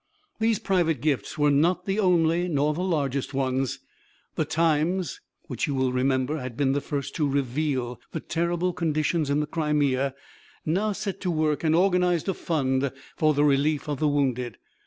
These private gifts were not the only nor the largest ones. The Times, which you will remember had been the first to reveal the terrible conditions in the Crimea, now set to work and organized a fund for the relief of the wounded.